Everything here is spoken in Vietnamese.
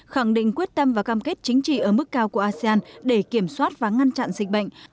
khẳng định quyết tâm và cam kết chính trị ở mức cao của asean để kiểm soát và ngăn chặn dịch bệnh